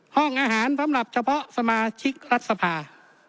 ห้องอาหารสำหรับเฉพาะสมาชิกรัฐสภา